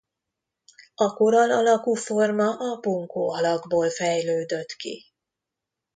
A korall alakú forma a bunkó alakból fejlődött ki.